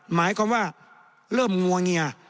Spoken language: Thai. หมายความว่าเริ่มงวงเงีย